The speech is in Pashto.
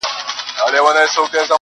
اوس که چپ یمه خاموش یم وخت به راسي-